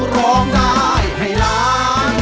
ร้องได้ให้ล้าน